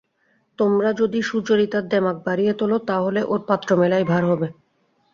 তোমরা যদি সুচরিতার দেমাক বাড়িয়ে তোল তা হলে ওর পাত্র মেলাই ভার হবে।